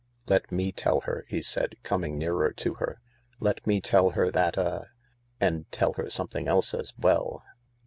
" Let me tell her," he said, coming nearer to her ;" let me tell her that a — and tell her something else as well.